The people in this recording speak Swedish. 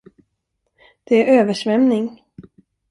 Det är översvämning.